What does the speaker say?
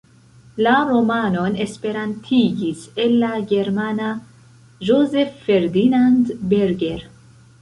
La romanon esperantigis el la germana Joseph Ferdinand Berger.